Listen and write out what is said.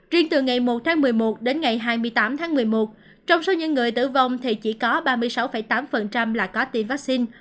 riêng từ ngày một tháng một mươi một đến ngày hai mươi tám tháng một mươi một trong số những người tử vong thì chỉ có ba mươi sáu tám là có tiêm vaccine